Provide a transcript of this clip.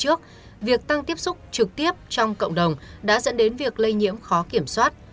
trước việc tăng tiếp xúc trực tiếp trong cộng đồng đã dẫn đến việc lây nhiễm khó kiểm soát